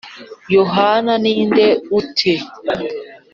Yohana ni nde ute?